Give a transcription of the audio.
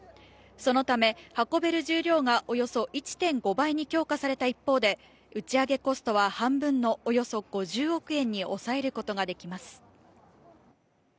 そのため、運べる重量がおよそ１．５倍に強化された一方で、打ち上げコストは半分のおよそ５０億円に抑えることができます。